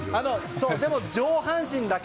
でも、上半身だけ。